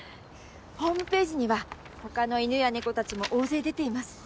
ホームページには他の犬や猫たちも大勢出ています。